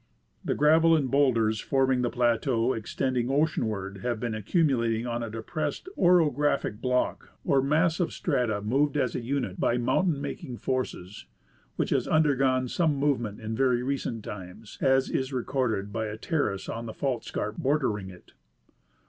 The gravel and bowlders forming the plateau extending oceanward have been accumulating on a depressed orographic block (or mass of strata moved as a unit by mountain making forces), which has undergone some movement in very recent times, as is recorded by a terrace on the fault scarp bordering it.